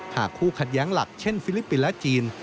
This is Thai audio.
หากคู่ขัดแย้งหลักเช่นฟิลิปปินส์และจีน